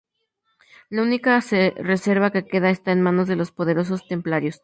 La única reserva que queda está en manos de los poderosos "templarios".